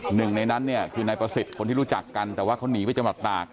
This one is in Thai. หนึ่งในนั้นเนี่ยคือนายประสิทธิ์คนที่รู้จักกันแต่ว่าเขาหนีไปจังหวัดตาก